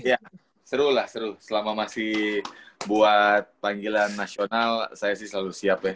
ya seru lah seru selama masih buat panggilan nasional saya sih selalu siap ya